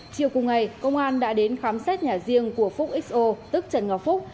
chiều cùng ngày công an đã đến khám xét nhà riêng của phúc xo tức trần ngọc phúc